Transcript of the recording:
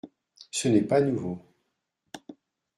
ce n’est pas nouveau.